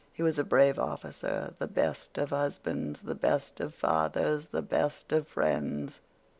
He was a brave officer, the best of husbands, the best of fathers, the best of friends.